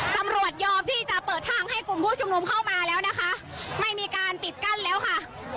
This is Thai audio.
ตำรวจยอมที่จะเปิดทางให้กลุ่มผู้ชุมนุมเข้ามาแล้วนะคะไม่มีการปิดกั้นแล้วค่ะ